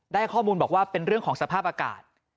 ได้ข้อมูลบอกว่าเป็นเรื่องของสภาพอากาศ